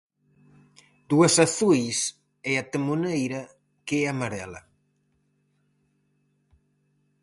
Dúas azuis e a temoneira, que é amarela.